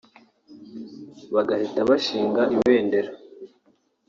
bagahita bashinga ibendera